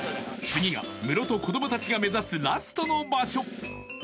次がムロと子どもたちが目指すラストの場所！